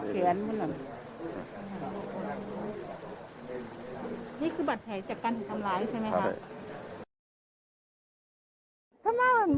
นี่คือบัติแถนจากการทำร้ายใช่ไหมครับ